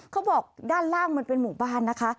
เขาบอกด้านล่างมันเป็นหมู่บ้านนะคะ